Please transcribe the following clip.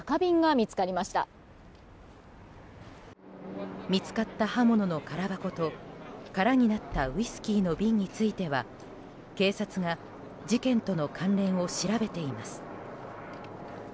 見つかった刃物の空箱と空になったウイスキーの瓶については警察が事件との関連を調べています。